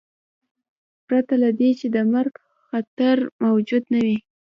پرته له دې چې د مرګ خطر موجود نه و.